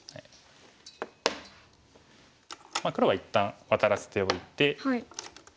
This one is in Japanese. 黒は一旦ワタらせておいて。